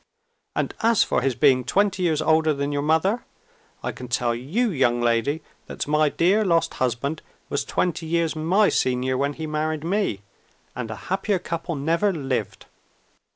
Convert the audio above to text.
"And as for his being twenty years older than your mother, I can tell you, young lady, that my dear lost husband was twenty years my senior when he married me and a happier couple never lived.